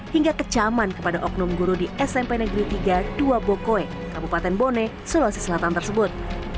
hingga kecaman kepada oknum guru di smp negeri tiga dua bokoe kabupaten bone sulawesi selatan tersebut